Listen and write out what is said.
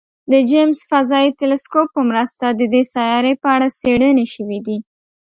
د جیمز فضايي ټیلسکوپ په مرسته د دې سیارې په اړه څېړنې شوي دي.